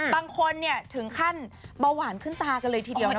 บางคนถึงขั้นเบาหวานขึ้นตากันเลยทีเดียวนะ